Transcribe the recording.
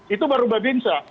itu baru babinsa